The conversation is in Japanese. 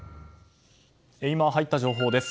今入った情報です。